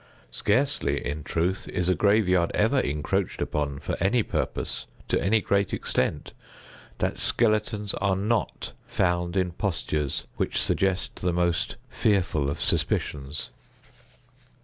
Scarcely, in truth, is a graveyard ever encroached upon, for any purpose, to any great extent, that skeletons are not found in postures which suggest the most fearful of suspicions.